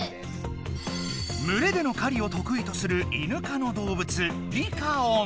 むれでの狩りをとくいとするイヌ科のどうぶつリカオン。